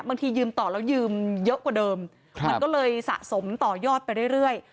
บางทียืมต่อแล้วยืมเยอะกว่าเดิมมันก็เลยสะสมต่อยอดไปเรื่อย